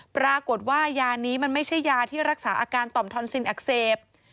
ปรากฏว่ายานี้มันไม่ใช่ยาที่รักษาอาการต่อมทอนซินอักเสบ